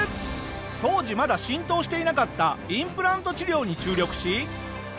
当時まだ浸透していなかったインプラント治療に注力し。